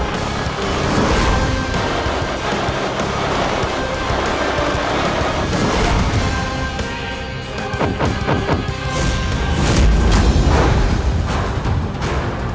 kita akan beralih buatussyatik ini